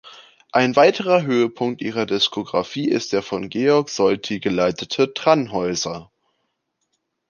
Ein weiterer Höhepunkt ihrer Diskografie ist der von Georg Solti geleitete „Tannhäuser“.